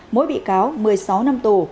mỗi bị cáo một mươi sáu năm tù